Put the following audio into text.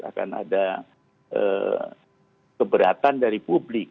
akan ada keberatan dari publik